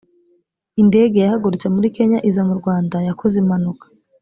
indege yahagurutse muri kenya iza mu rwanda yakoze impanuka